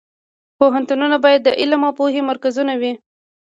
پوهنتونونه باید د علم او پوهې مرکزونه وي